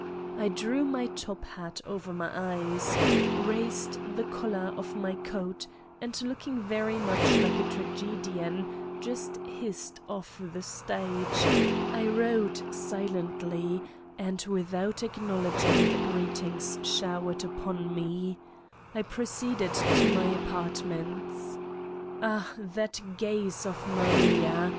I drew my top hat over my eyes, raised 7 the collar of my coat and looking very much like a tragedian just hissed off the stage, I rode silently, and without acknowledging the greetings showered upon me, I proceeded to my apartments. Ah, that gaze of Maria